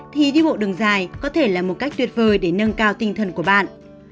thì đi bộ đường dài có thể là một cách tuyệt vời để nâng cao tinh thần của bạn